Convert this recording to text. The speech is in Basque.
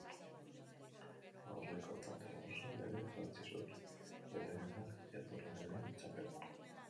Aurreko talde arrosan ere jantzi zuen getariarrak jatorrenaren txapela.